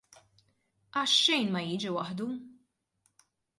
Għax xejn ma jiġi waħdu!